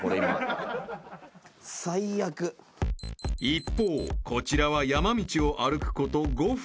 ［一方こちらは山道を歩くこと５分］